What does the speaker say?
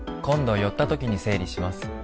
「今度寄った時に整理します